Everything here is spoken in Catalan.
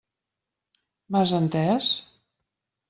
M'has entès?